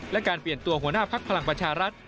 และการเปลี่ยนตัวหัวหน้าภักดิ์พลังประชารัฐ